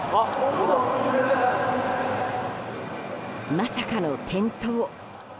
まさかの転倒。